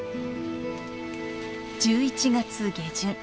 １１月下旬。